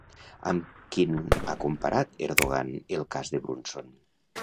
Amb quin ha comparat Erdogan el cas de Brunson?